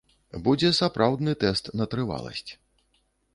Будзе сапраўдны тэст на трываласць.